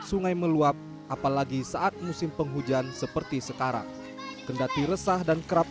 sungai meluap apalagi saat musim penghujan seperti sekarang kendati resah dan kerap